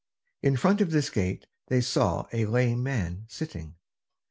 In front of this gate they saw a lame man sitting.